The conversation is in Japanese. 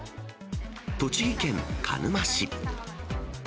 栃木県鹿沼市。